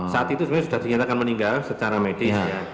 saat itu sebenarnya sudah dinyatakan meninggal secara medis